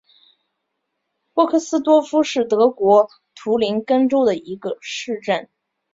波克斯多夫是德国图林根州的一个市镇。